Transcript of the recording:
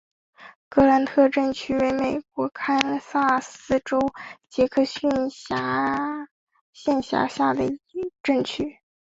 格兰特镇区为美国堪萨斯州杰克逊县辖下的镇区。